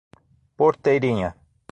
Porteirinha